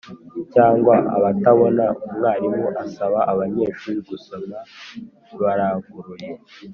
cyangwa abatabona, umwarimu asaba abanyeshuri gusoma baranguruye